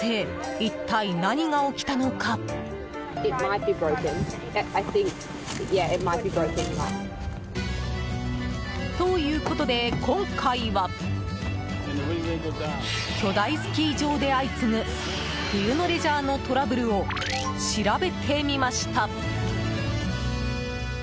一体何が起きたのか？ということで今回は巨大スキー場で相次ぐ冬のレジャーのトラブルを調べてみました。